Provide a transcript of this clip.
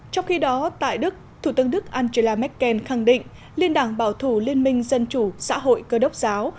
trong khi đó tại đức thủ tướng đức angela merkel khẳng định liên đảng bảo thủ liên minh dân chủ xã hội cơ đốc giáo